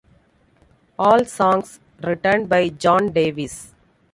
All songs written by John Davis.